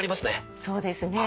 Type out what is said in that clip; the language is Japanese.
そうですね。